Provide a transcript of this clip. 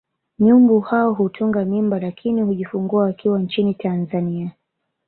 Nyumbu hao hutunga mimba lakini hujifungua wakiwa nchini Tanzania